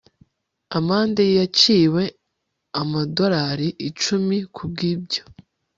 Amande yaciwe amadorari icumi kubwibyo